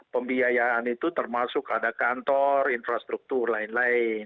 pembiayaan itu termasuk ada kantor infrastruktur lain lain